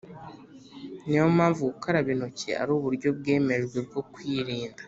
Niyo mpamvu gukaraba intoki ari uburyo bwemejwe bwo kwirinda